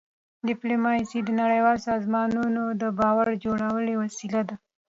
ډيپلوماسي د نړیوالو سازمانونو د باور جوړولو وسیله ده.